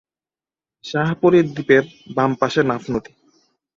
শাহ পরীর দ্বীপের বাম পাশে নাফ নদী।